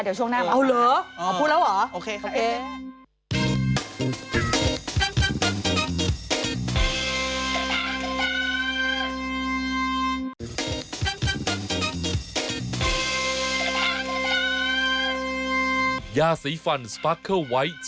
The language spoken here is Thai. เดี๋ยวช่วงหน้าบอกมาก่อนนะคะ